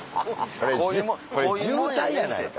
これ渋滞やないか。